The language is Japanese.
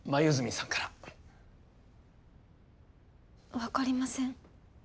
分かりません。